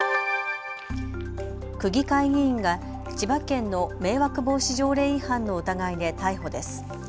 区議会議員が千葉県の迷惑防止条例違反の疑いで逮捕です。